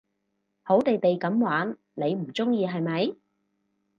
好地地噉玩你唔中意係咪？